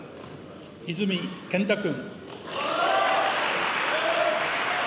泉健太君。